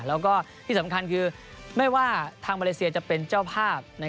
แล้วก็ที่สำคัญคือไม่ว่าทางมาเลเซียจะเป็นเจ้าภาพ